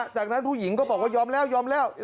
จากนั้นผู้หญิงก็บอกว่ายอมแล้วยอมแล้ว